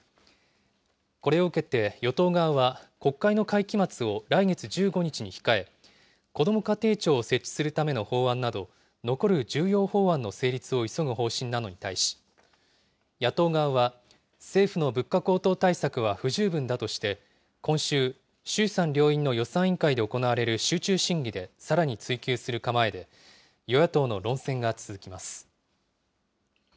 これを受けて与党側は、国会の会期末を来月１５日に控え、こども家庭庁を設置するための法案など、残る重要法案の成立を急ぐ方針なのに対し、野党側は、政府の物価高騰対策は不十分だとして、今週、衆参両院の予算委員会で行われる集中審議でさらに追及する構えで、与野党の論戦が続きます。